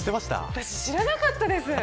私、知らなかったです。